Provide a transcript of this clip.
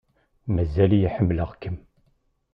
Mazal-iyi ḥemmleɣ-kem.